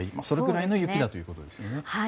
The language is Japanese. それぐらいの雪だということですね。